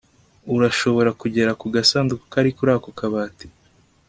Urashobora kugera ku gasanduku kari kuri ako kabati